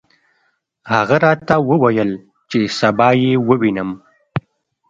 هغه راته وویل چې سبا یې ووینم.